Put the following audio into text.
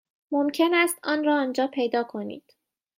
ممکن است آن را آنجا پیدا کنید.